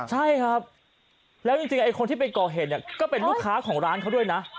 ใช่ครับแล้วจริงไอ้คนที่ไปก่อเหตุเนี่ยก็เป็นลูกค้าของร้านเขาด้วยนะ